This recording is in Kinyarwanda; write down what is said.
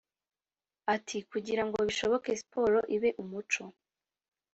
Ati "Kugira ngo bishoboke siporo ibe umuco